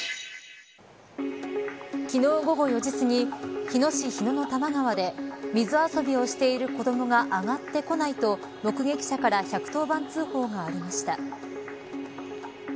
昨日、午後４時すぎ日野市日野の多摩川で水遊びをしている子どもが上がってこないと目撃者から１１０番通報がありました。